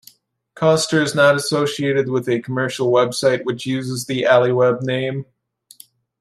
Koster is not associated with a commercial website which uses the aliweb name.